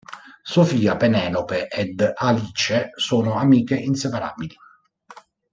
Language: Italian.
Sofia, Penelope ed Alice sono amiche inseparabili.